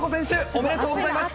おめでとうございます。